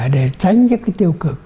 để tránh những cái tiêu cực